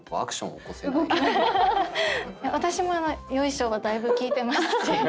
私も「よいしょ」はだいぶ聞いてまして。